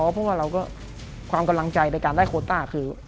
เพราะว่าเราก็ความกำลังใจในการได้โคต้าคือ